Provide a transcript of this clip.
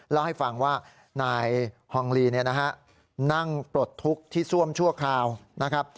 เล่าให้ฟังว่านายฮองลีเนี่ยนะฮะนั่งปลดทุกข์ที่ซ่วมชั่วคราวนะครับ